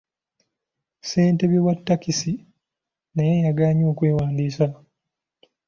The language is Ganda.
Ssentebe wa ttakisi naye yagaanye okwewandiisa.